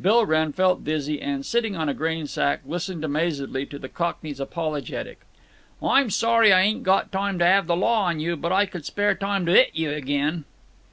Bill Wrenn felt dizzy and, sitting on a grain sack, listened amazedly to the Cockney's apologetic: "I'm sorry I ayn't got time to 'ave the law on you, but I could spare time to 'it you again."